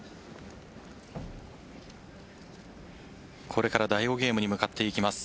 これから第５ゲームに向かっていきます。